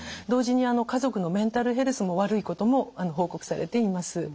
同時に家族のメンタルヘルスも悪いことも報告されています。